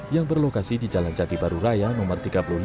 yang berlokasi di jalan jati baru raya no tiga puluh lima